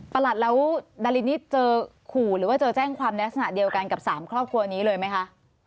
หัดแล้วดารินนี่เจอขู่หรือว่าเจอแจ้งความในลักษณะเดียวกันกับ๓ครอบครัวนี้เลยไหมคะ